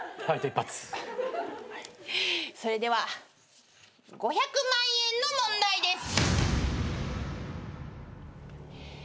それでは５００万円の問題です。